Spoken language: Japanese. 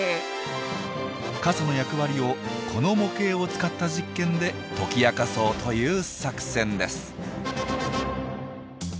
傘の役割をこの模型を使った実験で解き明かそうという作戦です。